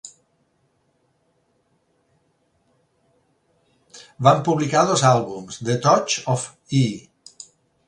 Van publicar dos àlbums: The Touch Of E!